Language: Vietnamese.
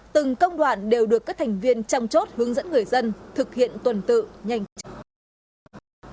từng công đoạn đều được các thành viên trong chốt hướng dẫn người dân thực hiện tuần tự nhanh chóng